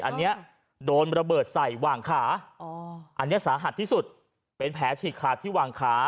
อันนี้โดนระเบิดใส่หว่างขาอันนี้สาหัสที่สุดเป็นแผลฉีกขาดที่วางขา